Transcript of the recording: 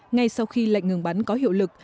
ngay sau khi lệnh ngừng bắn có hiệu lực